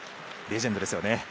レジェンドですね。